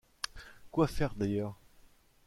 Quoi faire, d’ailleurs?